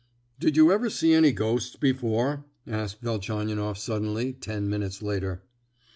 "Did you ever see any ghosts before?" asked Velchaninoff suddenly, ten minutes later.